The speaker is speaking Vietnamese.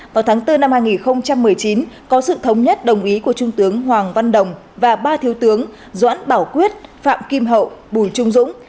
vào tháng bốn năm hai nghìn một mươi chín có sự thống nhất đồng ý của trung tướng hoàng văn đồng và ba thiếu tướng doãn bảo quyết phạm kim hậu bùi trung dũng